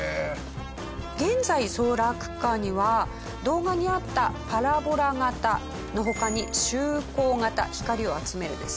現在ソーラークッカーには動画にあったパラボラ型の他に集光型「光りを集める」ですね